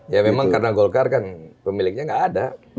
ya memang karena golkar kan pemiliknya nggak ada